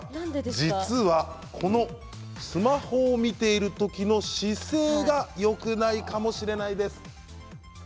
実はスマホを見ている時の姿勢がよくないかもしれないんです。